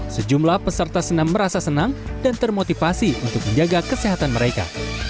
sejumlah peserta senam merasa senang dan termotivasi untuk menjaga kesehatan mereka